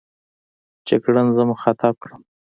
جګړن زه مخاطب کړم.